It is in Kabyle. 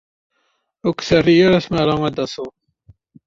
Ur k-terri ara tmara ad d-taseḍ.